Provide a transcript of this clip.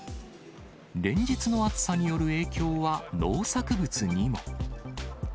連日の暑さによる影響は、農作物にも。